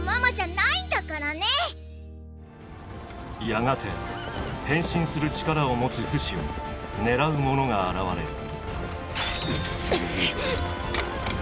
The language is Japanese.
やがて変身する力を持つフシを狙う者が現れる。